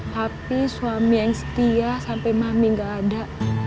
papi suami yang setia sampe mami gak ada